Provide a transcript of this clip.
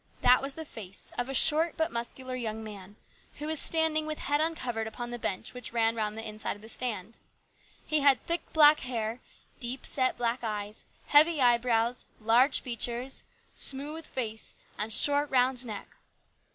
That was the face of a short but muscular young man, who was standing with head uncovered upon the bench which ran round the inside of the stand. He had thick black hair, deep set black eyes, heavy eye brows, large features, smooth face, and short, round neck.